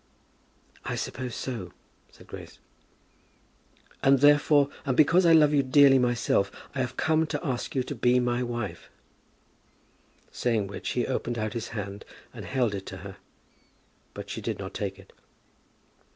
"I suppose so," said Grace. "And therefore, and because I love you dearly myself, I have come to ask you to be my wife." Saying which he opened out his hand, and held it to her. But she did not take it.